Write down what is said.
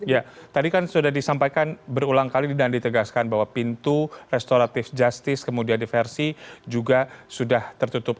ya tadi kan sudah disampaikan berulang kali dan ditegaskan bahwa pintu restoratif justice kemudian diversi juga sudah tertutup